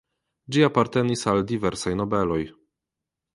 Ĝi apartenis al diversaj nobeloj.